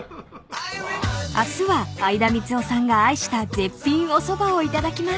［明日は相田みつをさんが愛した絶品おそばを頂きます］